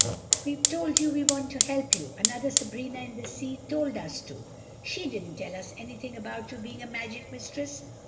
"We've told you—we want to help you. Another Sabrina in the sea told us to. She didn't tell us anything about you being a magic mistress.